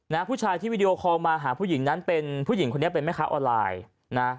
ผู้ชายที่วิดีโอคอลมาหาผู้หญิงนั้นเป็นผู้หญิงคนนี้เป็นแม่ค้าออนไลน์นะ